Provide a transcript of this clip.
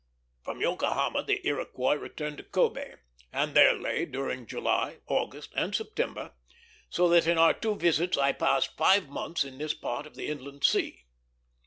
From Yokohama the Iroquois returned to Kobé, and there lay during July, August, and September; so that in our two visits I passed five months in this part of the Inland Sea.